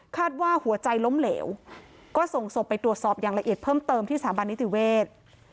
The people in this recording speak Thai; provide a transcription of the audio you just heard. ว่าหัวใจล้มเหลวก็ส่งศพไปตรวจสอบอย่างละเอียดเพิ่มเติมที่สถาบันนิติเวศ